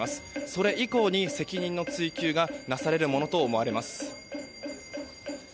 それ以降に責任の追及がなされるものと思われます。